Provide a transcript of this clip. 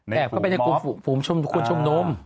แอบเข้าไปในฝูมชุมนุม